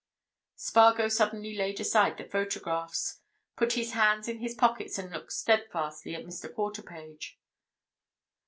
Spargo suddenly laid aside the photographs, put his hands in his pockets, and looked steadfastly at Mr. Quarterpage.